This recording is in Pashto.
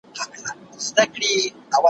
زه به سبا د نوي لغتونو يادوم